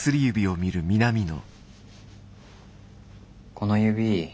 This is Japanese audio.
この指